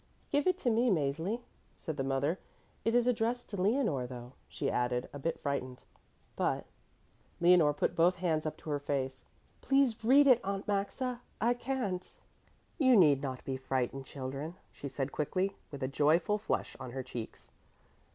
"Give it to me, Mäzli," said the mother. "It is addressed to Leonore, though," she added, a bit frightened, "but " Leonore put both hands up to her face. "Please read it, Aunt Maxa, I can't." "You need not be frightened, children," she said quickly, with a joyful flush on her cheeks.